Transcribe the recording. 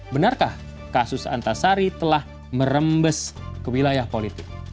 benarkah kasus antasari telah merembes ke wilayah politik